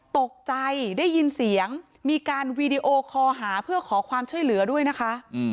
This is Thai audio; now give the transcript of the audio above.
ตกใจได้ยินเสียงมีการวีดีโอคอหาเพื่อขอความช่วยเหลือด้วยนะคะ